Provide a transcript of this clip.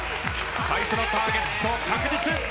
最初のターゲット確実。